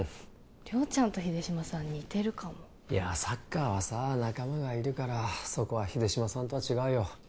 亮ちゃんと秀島さん似てるかもいやサッカーはさ仲間がいるからそこは秀島さんとは違うよ